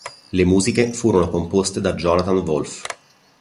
Le musiche furono composte da Jonathan Wolff.